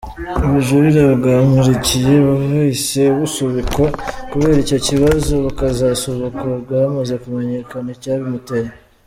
Ubujurire bwa Nkurikiye bwahise busubikwa kubera icyo kibazo, bukazasubukurwa hamaze kumenyekena icyabimuteye.